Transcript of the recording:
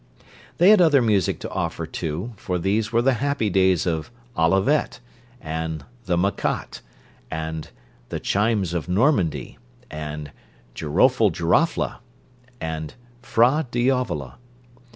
They had other music to offer, too, for these were the happy days of "Olivette" and "The Macotte" and "The Chimes of Normandy" and "Girofle Girofla" and "Fra Diavola."